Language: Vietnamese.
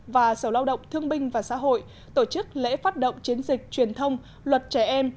và sở lao động thương binh và xã hội tổ chức lễ phát động chiến dịch truyền thông luật trẻ em